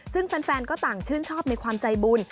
ซึ่งแฟนก็ต่างชื่นชอบในความใจบุญ